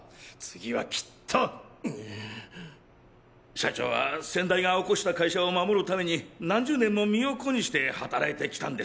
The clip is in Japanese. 社長は先代が興した会社を守る為に何十年も身を粉にして働いてきたんです。